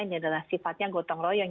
ini adalah sifatnya gotong royong